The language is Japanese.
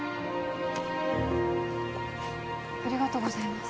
ありがとうございます